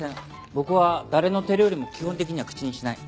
僕は誰の手料理も基本的には口にしない。